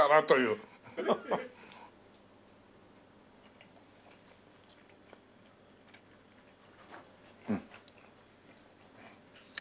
うん。